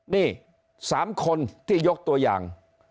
นี่๓คนที่ยกตัวอย่าง